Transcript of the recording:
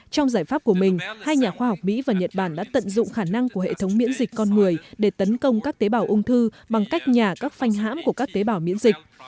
trong giải pháp của mình hai nhà khoa học mỹ và nhật bản đã tận dụng khả năng của hệ thống miễn dịch con người để tấn công các tế bào ung thư bằng cách nhả các phanh hãm của các tế bào miễn dịch